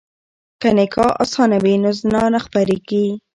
که نکاح اسانه وي نو زنا نه خپریږي.